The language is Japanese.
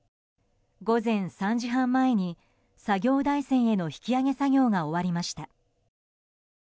午前３時半前に、作業台船への引き揚げ作業が終わりました。